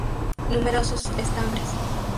Numerosos estambres.